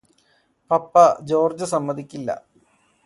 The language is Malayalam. പപ്പ ജോര്ജ് സമ്മതിക്കില്ല